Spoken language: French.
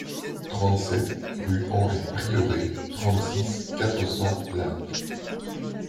trente-sept rue Henri Prieuré, trente-six, quatre cents, Lacs